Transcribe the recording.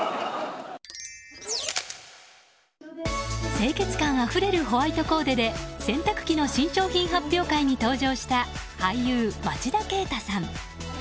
清潔感あふれるホワイトコーデで洗濯機の新商品発表会に登場した俳優・町田啓太さん。